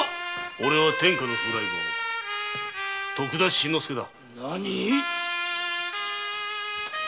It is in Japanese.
おれは天下の風来坊徳田新之助だ。